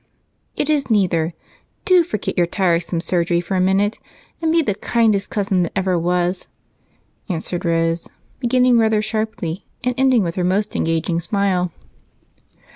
"It is neither. Do forget your tiresome surgery for a minute and be the kindest cousin that ever was," answered Rose, beginning rather sharply and ending with her most engaging smile.